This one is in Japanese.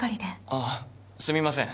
あっすみません。